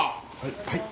はい。